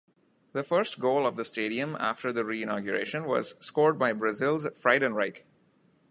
The first goal of the stadium after the re-inauguration was scored by Brazil's Friedenreich.